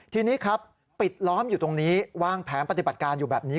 ทีนี้ครับปิดล้อมอยู่ตรงนี้วางแผนปฏิบัติการอยู่แบบนี้